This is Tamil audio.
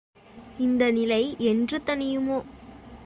இந்த நிலை என்று தணியுமோ!